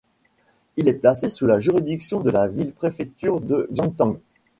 Il est placé sous la juridiction de la ville-préfecture de Xiangtan.